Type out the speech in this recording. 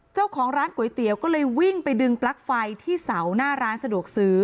เจ้าของร้านก๋วยเตี๋ยวก็เลยวิ่งไปดึงปลั๊กไฟที่เสาหน้าร้านสะดวกซื้อ